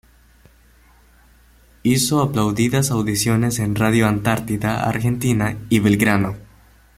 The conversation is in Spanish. Hizo aplaudidas audiciones en Radio Antártida, Argentina y Belgrano.